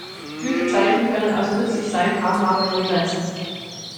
Gütezeichen können also nützlich sein, haben aber ihre Grenzen.